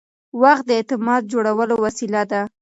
وخت د اعتماد جوړولو وسیله ده.